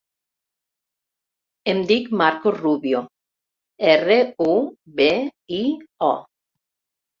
Em dic Marcos Rubio: erra, u, be, i, o.